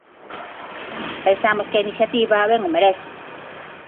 Pensamos que a iniciativa ben o merece.